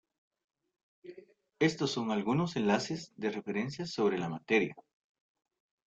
Estos son algunos enlaces de referencia sobre la materia.